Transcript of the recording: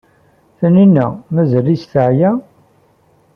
Taninna mazal-itt teɛya?